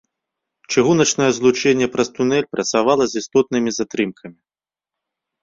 Чыгуначнае злучэнне праз тунель працавала з істотнымі затрымкамі.